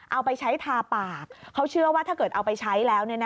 เอาไปใช้ทาปากเขาเชื่อว่าถ้าเกิดเอาไปใช้แล้ว